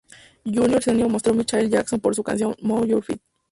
Junior Senior mostró Michael Jackson por su canción "Move Your Feet".